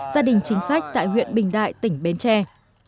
gia đình chính sách tại huyện bình đại tỉnh bến tre